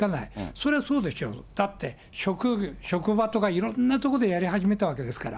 そりゃそうでしょ、だって職場とか、いろんなところでやり始めたわけですから。